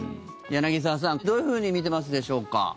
柳澤さん、どういうふうに見てますでしょうか？